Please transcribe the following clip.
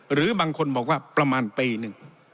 หรือบางคนบอกว่าประมาณปีหนึ่ง